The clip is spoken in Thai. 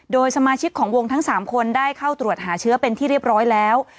โดยสมาชิกของวงทั้ง๓คนได้เข้าตรวจหาเชื้อเป็นที่เรียบร้อยแล้ว